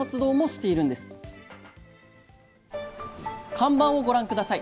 看板をご覧下さい。